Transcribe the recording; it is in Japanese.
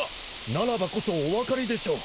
ならばこそお分かりでしょう。